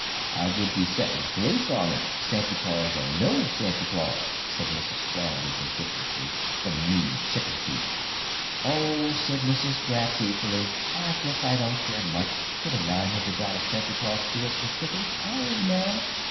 "I would be settin' th' police on him, Santy Claus or no Santy Claus," said Mrs. Flannery vindictively; "th' mean chicken thief!" "Oh," said Mrs. Gratz easily, "I guess I don't care much should a nine hundred dollar Santy Claus steal some chickens. I ain't mad."